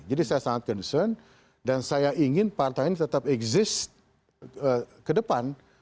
jadi saya sangat concern dan saya ingin partai ini tetap exist ke depan